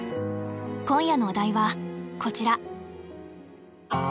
今夜のお題はこちら。